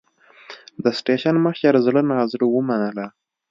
د سټېشن مشر زړه نازړه ومنله.